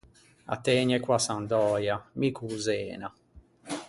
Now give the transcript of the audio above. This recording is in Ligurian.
A tëgne co-a Sandöia, mi co-o Zena.